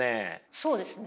そうですね。